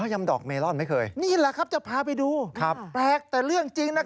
ยำดอกเมลอนไม่เคยนี่แหละครับจะพาไปดูแปลกแต่เรื่องจริงนะครับ